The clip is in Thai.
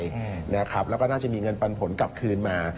แล้วก็น่าจะมีเงินปันผลกลับคืนมา